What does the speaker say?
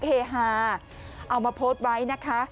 เอามาโพสต์ไว้นะคะ